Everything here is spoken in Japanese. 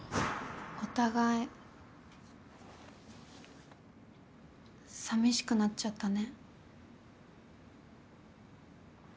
お互いさみしくなっちゃったね